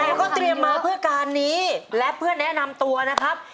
แต่ก็เตรียมมาเพื่อการนี้และเพื่อแนะนำตัวนะครับ